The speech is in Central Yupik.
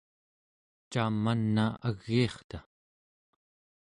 ca man'a agiirta?